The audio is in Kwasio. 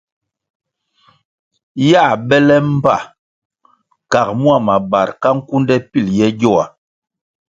Yā bele mbpa kag mua mabar ka nkunde pil ye gyoa.